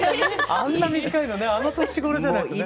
あんな短いのねあの年頃じゃないとね。